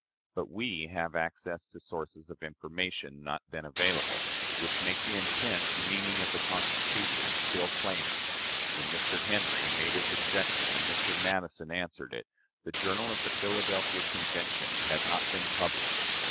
But we have access to sources of information, not then available, which make the intent and meaning of the Constitution still plainer. When Mr. Henry made his objection, and Mr. Madison answered it, the journal of the Philadelphia Convention had not been published.